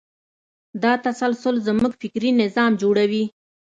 دا تسلسل زموږ فکري نظام جوړوي.